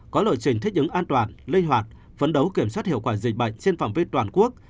có lộ trình thích ứng an toàn linh hoạt phấn đấu kiểm soát hiệu quả dịch bệnh trên phạm vi toàn quốc